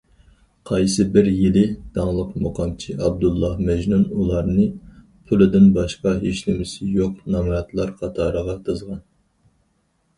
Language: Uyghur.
قايسىبىر يىلى داڭلىق مۇقامچى ئابدۇللا مەجنۇن ئۇلارنى« پۇلدىن باشقا ھېچنېمىسى يوق نامراتلار» قاتارىغا تىزغان.